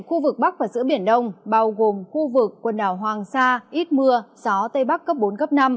khu vực bắc và giữa biển đông bao gồm khu vực quần đảo hoàng sa ít mưa gió tây bắc cấp bốn cấp năm